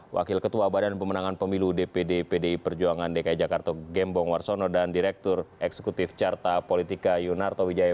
wakil ketua badan pemenangan pemilu dpd pdi perjuangan dki jakarta gembong warsono dan direktur eksekutif carta politika yunarto wijaya